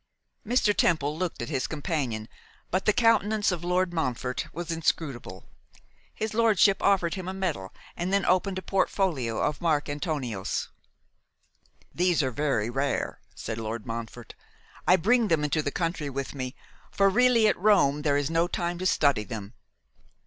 Mr. Temple looked at his companion, but the countenance of Lord Montfort was inscrutable. His lordship offered him a medal and then opened a portfolio of Marc Antonios. 'These are very rare,' said Lord Montfort; 'I bring them into the country with me, for really at Rome there is no time to study them.